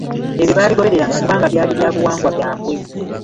Ebyo baabigobereranga kubanga byali bya buwangwa byabwe.